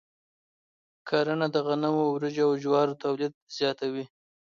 کرنه د غنمو، وريجو، او جوارو تولید زیاتوي.